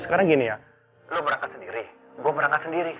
sekarang gini ya lo berangkat sendiri gue berangkat sendiri